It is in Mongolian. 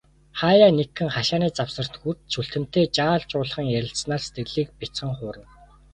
Хааяа нэгхэн, хашааны завсарт хүрч, Чүлтэмтэй жаал жуулхан ярилцсанаар сэтгэлийг бяцхан хуурна.